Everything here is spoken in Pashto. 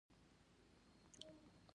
سوله د جنګ د دوام معنی لري.